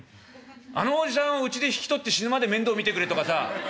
あのおじさんをうちで引き取って死ぬまで面倒見てくれとかさ